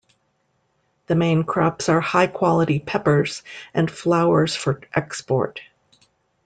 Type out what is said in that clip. The main crops are high quality peppers and flowers for export.